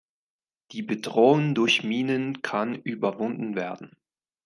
Die Bedrohung durch Minen kann überwunden werden.